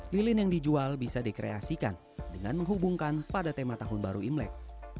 lilin yang dijual bisa dikreasikan dengan menghubungkan pada tema tahun baru imlek